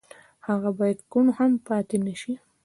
هغه بايد کوڼ هم پاتې نه شي.